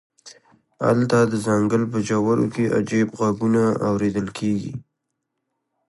هلته د ځنګل په ژورو کې عجیب غږونه اوریدل کیږي